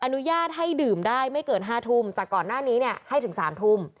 อนุญาตให้ดื่มได้ไม่เกิน๕ทุ่มจากก่อนหน้านี้เนี่ยให้ถึง๓ทุ่ม